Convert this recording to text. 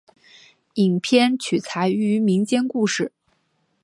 影片取材于民间故事。